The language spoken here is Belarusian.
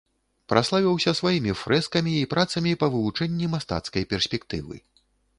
Праславіўся сваімі фрэскамі і працамі па вывучэнні мастацкай перспектывы.